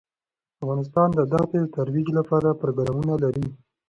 افغانستان د دښتې د ترویج لپاره پروګرامونه لري.